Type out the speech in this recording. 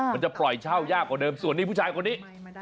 มันจะปล่อยเช่ายากกว่าเดิมส่วนนี้ผู้ชายคนนี้